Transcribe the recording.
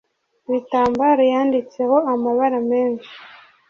ibitambaro yanditseho amabara menshi